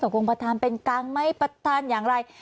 ตรงกรงประธานเป็นกังไม่ประธานอย่างไร